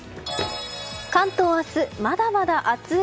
関東、明日まだまだ暑い。